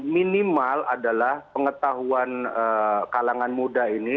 minimal adalah pengetahuan kalangan muda ini